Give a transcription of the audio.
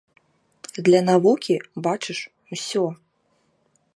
Для навукі, бачыш, усё.